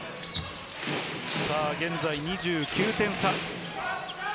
現在２９点差。